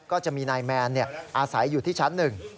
ก็จะมีนายแมนอาศัยอยู่ที่ชั้นหนึ่ง